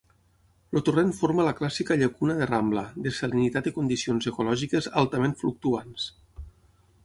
El torrent forma la clàssica llacuna de rambla, de salinitat i condicions ecològiques altament fluctuants.